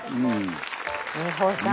美保さん